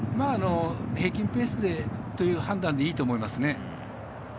平均ペースでという判断でいいと思いますね。